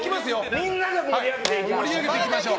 みんなで盛り上げていきましょう！